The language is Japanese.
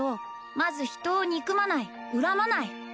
まず人を憎まない恨まない